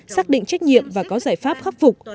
xác định trách nhiệm và có giải pháp khắc phục